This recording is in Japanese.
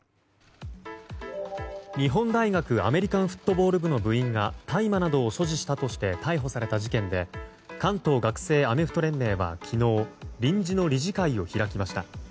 日本大学アメリカンフットボール部の部員が大麻などを所持したとして逮捕された事件で関東学生アメフト連盟は昨日臨時の理事会を開きました。